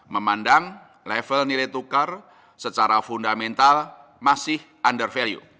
memandang level nilai tukar secara fundamental masih under value